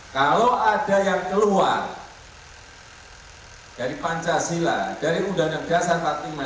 kalau ada yang keluar dari pancasila dari udang negara